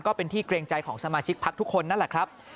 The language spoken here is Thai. ก็เป็นที่เกรงใจของสมาชิกพักทุกคนนั่นแหละครับ